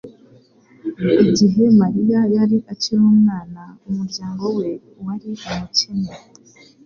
Igihe Mariya yari akiri umwana, umuryango we wari umukene.